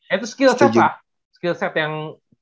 itu skill set lah skill set yang